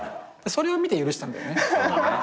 それを見て許したんだよね。